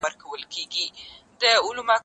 که تاریخ په سمه توګه ولوستل سي ګټور دی.